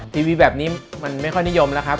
ทีวีแบบนี้มันไม่ค่อยนิยมแล้วครับ